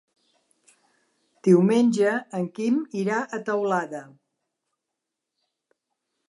Diumenge en Quim irà a Teulada.